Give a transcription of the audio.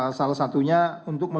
dan empezarnya adalah menori entrepreneur